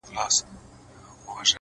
خیال دي”